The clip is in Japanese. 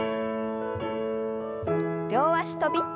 両脚跳び。